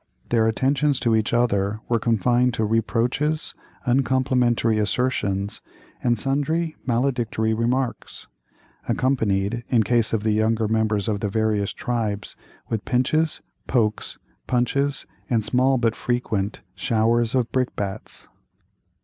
Their attentions to each other were confined to reproaches, uncomplimentary assertions, and sundry maledictory remarks, accompanied, in case of the younger members of the various tribes, with pinches, pokes, punches, and small but frequent showers of brickbats.